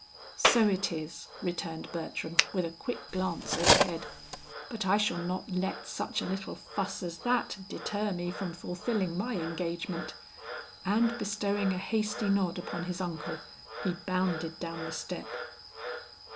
"So it is," returned Bertram, with a quick glance overhead; "but I shall not let such a little fuss as that deter me from fulfilling my engagement." And bestowing a hasty nod upon his uncle, he bounded down the step.